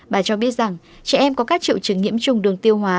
bà cho biết rằng trẻ em có các triệu chứng nhiễm trùng đường tiêu hóa